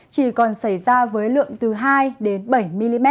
chỉ còn xảy ra với lượng từ hai bảy mm